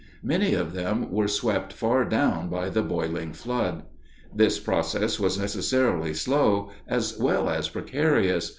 Many of them were swept far down by the boiling flood. This process was necessarily slow, as well as precarious.